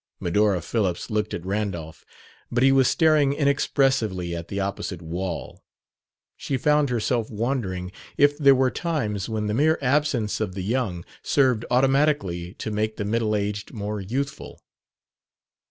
Medora Phillips looked at Randolph, but he was staring inexpressively at the opposite wall. She found herself wondering if there were times when the mere absence of the young served automatically to make the middle aged more youthful.